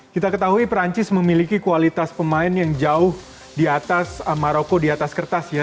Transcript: kita ketahui perancis memiliki kualitas pemain yang jauh di atas maroko di atas kertas ya